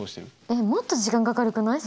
えっもっと時間かかるくない？